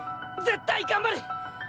絶対頑張る！